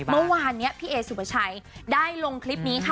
เมื่อวานนี้พี่เอสุปชัยได้ลงคลิปนี้ค่ะ